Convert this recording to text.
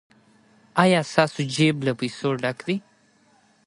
ایا ستاسو جیب له پیسو ډک دی؟